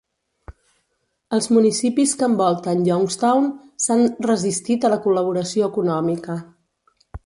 Els municipis que envolten Youngstown s'han resistit a la col·laboració econòmica.